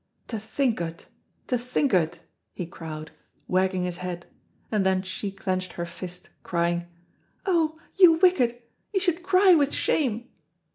"To think o't, to think o't!" he crowed, wagging his head, and then she clenched her fist, crying, "Oh, you wicked, you should cry with shame!"